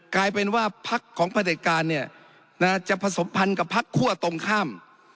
กลายเป็นว่าพักของประเด็จการเนี่ยจะผสมพันธ์กับพักคั่วตรงข้าม